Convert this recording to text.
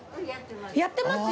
やってます。